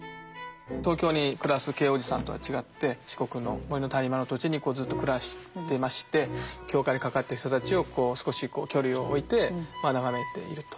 東京に暮らすＫ伯父さんとは違って四国の森の谷間の土地にずっと暮らしてまして教会に関わってる人たちを少し距離を置いて眺めていると。